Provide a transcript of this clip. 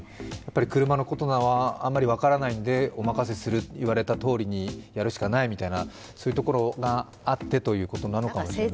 車のことはあまり分からないのでお任せする、言われたとおりにやるしかないとそういうところがあってということなのかもしれないですね。